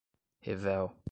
revel